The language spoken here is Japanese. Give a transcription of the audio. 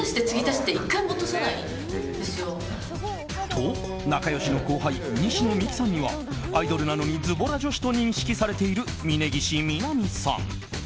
と、仲良しの後輩西野未姫さんにはアイドルなのにズボラ女子と認識されている峯岸みなみさん。